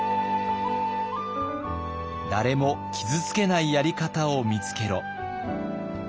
「誰も傷つけないやり方を見つけろ！」。